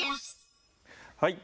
はい。